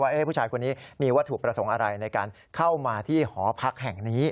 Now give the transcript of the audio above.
ผู้ชายคนนี้มีวัตถุประสงค์อะไรในการเข้ามาที่หอพักแห่งนี้